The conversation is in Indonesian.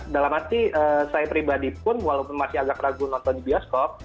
dalam arti saya pribadi pun walaupun masih agak ragu nonton di bioskop